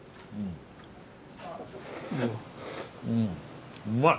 うんうまい！